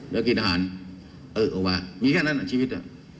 แล้วกินอาหารเออออกมามีแค่นั้นชีวิต